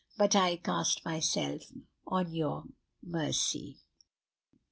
But I cast myself on your mercy."